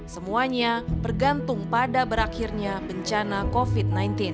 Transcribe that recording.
semuanya bergantung pada berakhirnya bencana covid sembilan belas